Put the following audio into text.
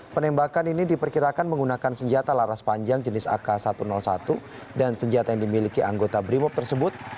penembakan ini diperkirakan menggunakan senjata laras panjang jenis ak satu ratus satu dan senjata yang dimiliki anggota brimop tersebut